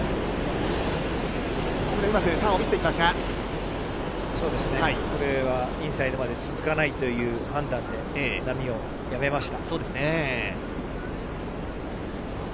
ここでうまくターンを見せていきますが、これはインサイドまで続かないという判断で、波をやめました。